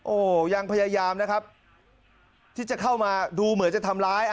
โอ้โหยังพยายามนะครับที่จะเข้ามาดูเหมือนจะทำร้าย